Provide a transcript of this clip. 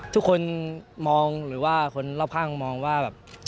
ทุกคนมองหรือว่าคนรอบข้างมองว่าแบบ